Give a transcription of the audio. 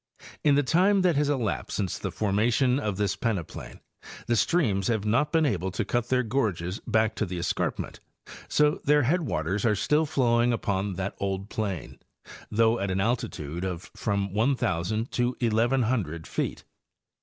In the time that has elapsed since the formation of this pleneplain the streams have not been able to cut their gorges back to the escarpment, so their head waters are still flowing upon that old plain, though at an altitude of from 1,000 to 1,100 feet.